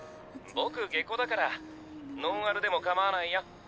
僕下戸だからノンアルでもかまわないよ。